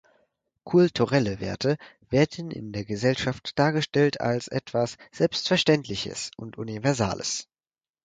Kulturelle Werte werden in der Gesellschaft dargestellt als etwas „Selbstverständliches“ und Universales.